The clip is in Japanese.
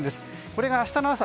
これが明日の朝。